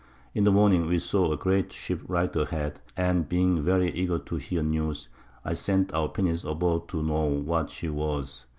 In the Morning we saw a great Ship right a head, and being very eager to hear News, I sent our Pinnace aboard to know what she was.